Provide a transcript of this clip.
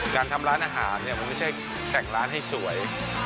การทำร้านอาหารเนี่ยมันไม่ใช่แต่งร้านให้สวย